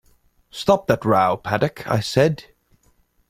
“Stop that row, Paddock,” I said.